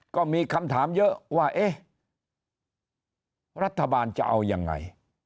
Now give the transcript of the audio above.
ก็มีคำถามเยอะว่าเอ๊ะรัฐบาลจะเอายังไง